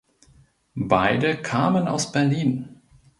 Beide kamen aus Berlin.